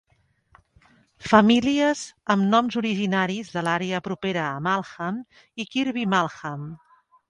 Famílies amb noms originaris de l'àrea propera a Malham i Kirkby Malham.